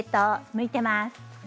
向いてます。